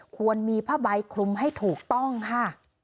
ควรมีผ้าใบคลุมให้ถูกต้องค่ะ